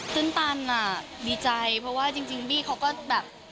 ตื่นตันอ่ะดีใจเพราะว่าจริงบี้เขาก็แบบ